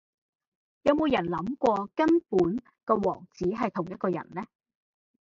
有冇人諗過根本個王子系同一個人呢?